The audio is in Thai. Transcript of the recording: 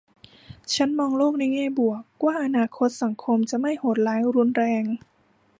ฉันมองโลกในแง่บวกว่าอนาคตสังคมจะไม่โหดร้ายรุนแรง